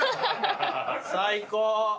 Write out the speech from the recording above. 最高。